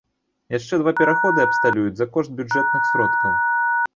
Яшчэ два пераходы абсталююць за кошт бюджэтных сродкаў.